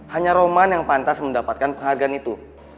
hanya roman yang pantas mendapatkan penghargaan itu